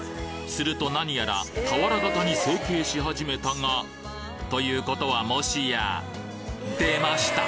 するとなにやら俵型に成形し始めたがということはもしや？出ました！